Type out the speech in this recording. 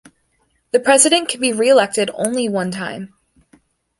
The President can be re-elected only one time.